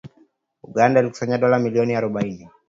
Uganda ilikusanya dola milioni arubaini